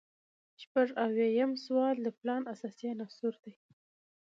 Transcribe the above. شپږ اویایم سوال د پلان اساسي عناصر دي.